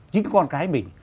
chính con cái mình